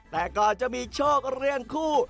แต่ก่อนจะมีโชคเรียงคู่